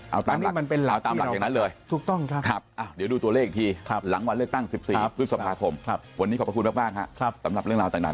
เอาตามหลักอย่างนั้นเลย